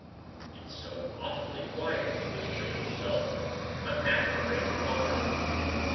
"It's so awfully quiet," he whispered to himself. "I'm half afraid to call out."